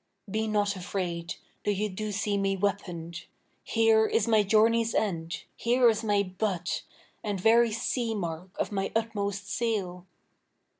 Be not afraid, though you do see me weaponed; Here is my journey's end, here is my butt, And very sea mark of my utmost sail.